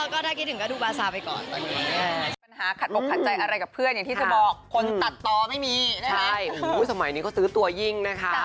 ก็ถ้าคิดถึงก็ดูบาซาไปก่อน